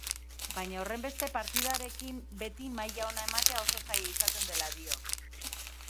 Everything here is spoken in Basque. Baina horrenbeste partidarekin beti maila ona ematea oso zaila izaten dela dio.